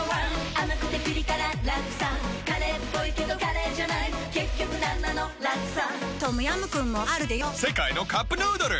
甘くてピリ辛ラクサカレーっぽいけどカレーじゃない結局なんなのラクサトムヤムクンもあるでヨ世界のカップヌードル